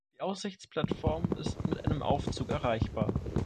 Die Aussichtsplattform ist mit einem Aufzug erreichbar.